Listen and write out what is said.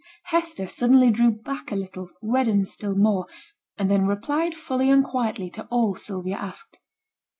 Hester suddenly drew back a little, reddened still more, and then replied fully and quietly to all Sylvia asked.